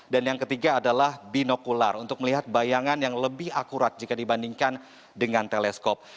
dan yang ketiga adalah binokular untuk melihat bayangan yang lebih akurat jika dibandingkan dengan teleskop